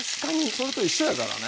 それと一緒やからね。